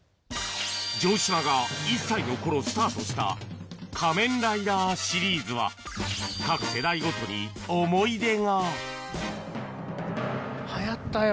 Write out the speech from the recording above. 城島が１歳の頃スタートした『仮面ライダー』シリーズは各世代ごとに思い出が流行ったよ